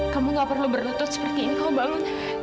kamu gak perlu berlotot seperti ini kau baru